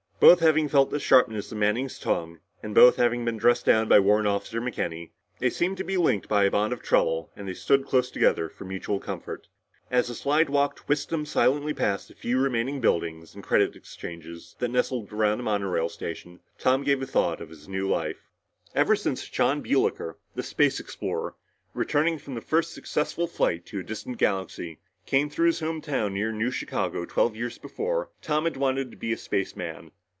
Both having felt the sharpness of Manning's tongue, and both having been dressed down by Warrant Officer McKenny, they seemed to be linked by a bond of trouble and they stood close together for mutual comfort. As the slidewalk whisked them silently past the few remaining buildings and credit exchanges that nestled around the monorail station, Tom gave thought to his new life. Ever since Jon Builker, the space explorer, returning from the first successful flight to a distant galaxy, came through his home town near New Chicago twelve years before, Tom had wanted to be a spaceman.